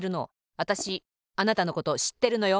わたしあなたのことしってるのよ。